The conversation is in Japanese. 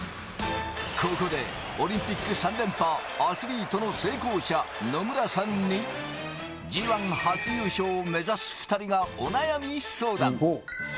ここでオリンピック３連覇、アスリートの成功者・野村さんにＧ１初優勝を目指す２人がお悩み相談。